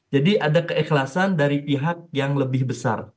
jadi ada keikhlasan dari pihak yang lebih besar